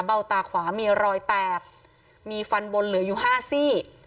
ตาขวามีรอยแตกมีฟันบนเหลืออยู่๕ซี่